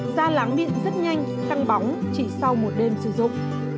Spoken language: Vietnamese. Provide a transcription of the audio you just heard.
da láng miệng rất nhanh tăng bóng chỉ sau một đêm sử dụng